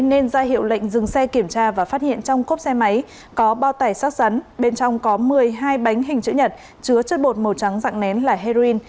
nên ra hiệu lệnh dừng xe kiểm tra và phát hiện trong cốp xe máy có bao tải sát rắn bên trong có một mươi hai bánh hình chữ nhật chứa chất bột màu trắng dạng nén là heroin